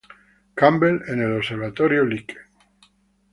Campbell en el Observatorio Lick.